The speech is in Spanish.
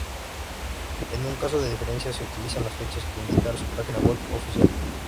En caso de diferencia se utilizan las fechas que indica su página web oficial.